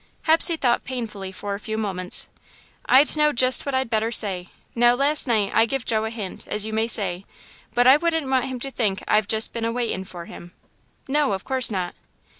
Hepsey thought painfully for a few moments. "I'd know jest what I'd better say. Now, last night, I give Joe a hint, as you may say, but I wouldn't want him to think I'd jest been a waitin' for him." "No, of course not."